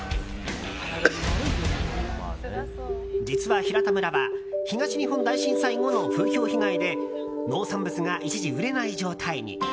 実は平田村は東日本大震災後の風評被害で農産物が一時売れない状態に。